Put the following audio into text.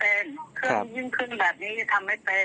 เครื่องยื่นเครื่องแบบนี้ทำให้เป็น